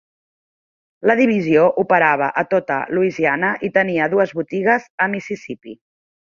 La divisió operava a tota Louisiana, i tenia dues botigues a Mississipí.